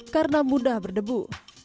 karena mudah berdebu